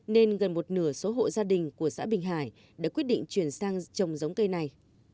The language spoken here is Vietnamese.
nên gần một nửa số hộ gia đình của xã bình hải đã quyết định chuyển sang trồng giống cây này